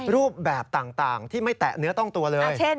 รูปแบบต่างที่ไม่แตะเนื้อต้องตัวเลย